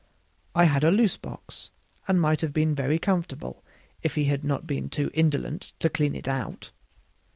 I had a loose box, and might have been very comfortable if he had not been too indolent to clean it out.